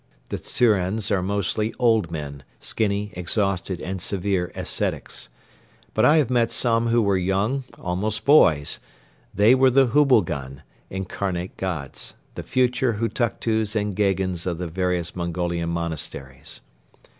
The Tzurens are mostly old men, skinny, exhausted and severe ascetics. But I have met some who were young, almost boys. They were the Hubilgan, "incarnate gods," the future Hutuktus and Gheghens of the various Mongolian monasteries.